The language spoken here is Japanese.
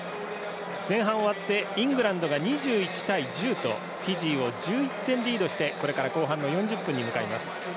前半終わって、イングランドが２１対１０とフィジーを１１点リードしてこれから後半の４０分に向かいます。